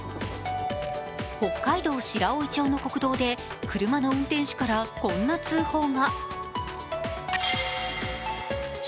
北海道白老町の国道で車の運転手からこんな通報が。